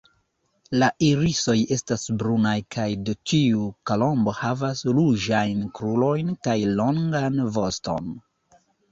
La irisoj estas brunaj kaj dtiu kolombo havas ruĝajn krurojn kaj longan voston.